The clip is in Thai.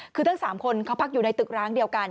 คือทั้ง๓คนเขาพักอยู่ในตึกร้างเดียวกัน